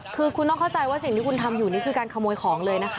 คือคุณต้องเข้าใจว่าสิ่งที่คุณทำอยู่นี่คือการขโมยของเลยนะคะ